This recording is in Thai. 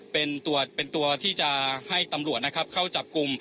เป็นตัวที่จะให้ตำรวจนะครับเข้าจับกลุ่ม